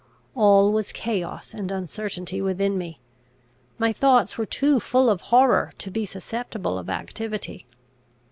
All was chaos and uncertainty within me. My thoughts were too full of horror to be susceptible of activity.